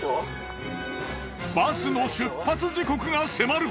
バスの出発時刻が迫る。